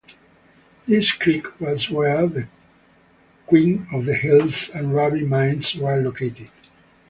This creek was where the Queen of the Hills and Ruby Mines were located.